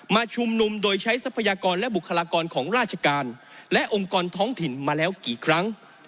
ชุมนุมโดยใช้ทรัพยากรและบุคลากรของราชการและองค์กรท้องถิ่นมาแล้วกี่ครั้ง